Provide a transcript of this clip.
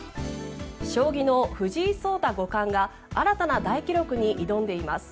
将棋の藤井聡太五冠が新たな大記録に挑んでいます。